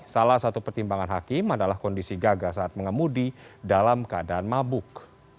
salah satu pertimbangan hakim adalah kondisi gagah saat mengemudi dalam keadaan mabuk